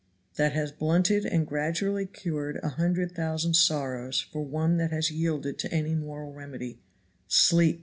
that has blunted and gradually cured a hundred thousand sorrows for one that has yielded to any moral remedy sleep!